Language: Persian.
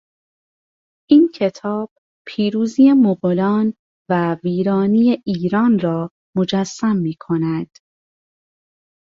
این کتاب پیروزی مغولان و ویرانی ایران را مجسم میکند.